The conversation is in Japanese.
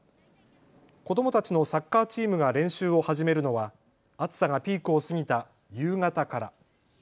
子どもたちのサッカーチームが練習を始めるのは暑さがピークを過ぎた夕方から。